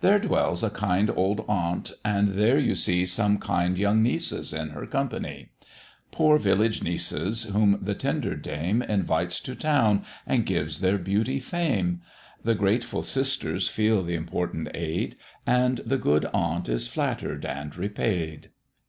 There dwells a kind old Aunt, and there you see Some kind young Nieces in her company; Poor village nieces, whom the tender dame Invites to town, and gives their beauty Fame; The grateful sisters feel th' important aid, And the good Aunt is flatter'd and repaid.